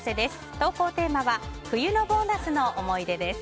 投稿テーマは冬のボーナスの思い出です。